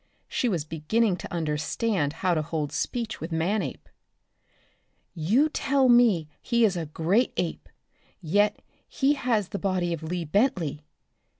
She was beginning to understand how to hold speech with Manape. "You tell me he is a great ape, yet he has the body of Lee Bentley.